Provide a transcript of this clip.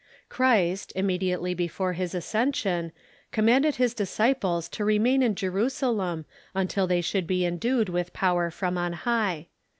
Christ, immediately before his ascension, commanded his disciples to remain in Jerusalem until they should be endued with power from on high.